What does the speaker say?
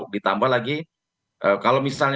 ditambah lagi kalau misalnya